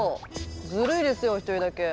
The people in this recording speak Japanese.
ずるいですよ一人だけ。